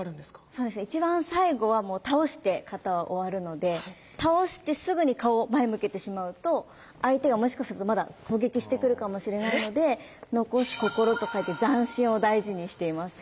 そうですね一番最後はもう倒して形は終わるので倒してすぐに顔を前へ向けてしまうと相手がもしかするとまだ攻撃してくるかもしれないので残す心と書いて「残心」を大事にしています。